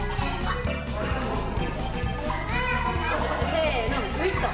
せのグッと。